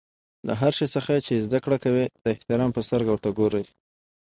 له هر شي څخه چي زدکړه کوى؛ د احترام په سترګه ورته ګورئ!